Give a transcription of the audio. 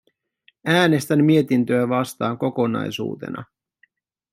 Äänestän mietintöä vastaan kokonaisuutena.